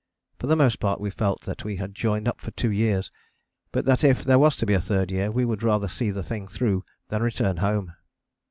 For the most part we felt that we had joined up for two years, but that if there was to be a third year we would rather see the thing through than return home.